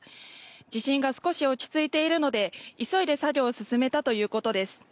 地震が少し落ち着いているので急いで作業を進めたということです。